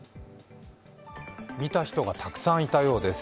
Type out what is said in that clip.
見た人がたくさんいたようです。